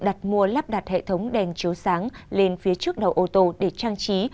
đặt mua lắp đặt hệ thống đèn chiếu sáng lên phía trước đầu ô tô để trang trí